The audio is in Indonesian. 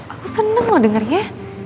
aku seneng loh dengernya